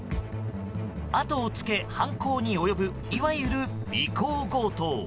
後をつけ、犯行に及ぶいわゆる尾行強盗。